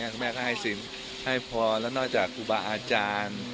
คุณแม่ก็ให้สินให้พรแล้วนอกจากครูบาอาจารย์